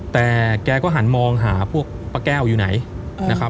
แต่แกก็หันมองหาพวกป้าแก้วอยู่ไหนนะครับ